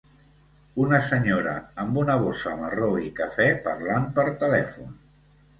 Una senyora amb una bossa marró i cafè parlant per telèfon.